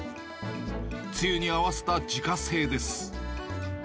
つゆに合わせた自家製です。